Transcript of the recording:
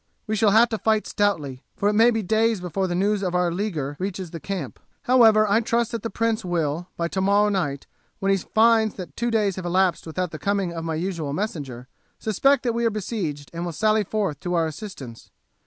We shall have to fight stoutly, for it may be days before the news of our leaguer reaches the camp. However, I trust that the prince will, by tomorrow night, when he finds that two days have elapsed without the coming of my usual messenger, suspect that we are besieged and will sally forth to our assistance.